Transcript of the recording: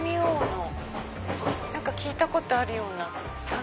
何か聞いたことあるような。